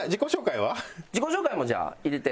自己紹介もじゃあ入れて。